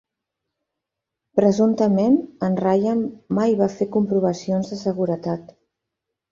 Presumptament, en Ryan mai va fer comprovacions de seguretat.